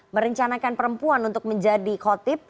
merencanakan perempuan untuk menjadi khotib